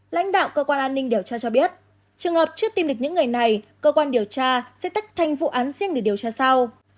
lãnh đạo cơ quan an ninh điều tra cho biết trường hợp chưa tìm được những người này cơ quan điều tra sẽ tách thành vụ án riêng để điều tra sau